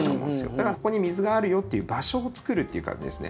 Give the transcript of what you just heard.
だからここに水があるよっていう場所をつくるっていう感じですね。